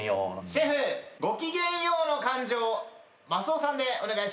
シェフ「ごきげんよう」の感じをマスオさんでお願いします。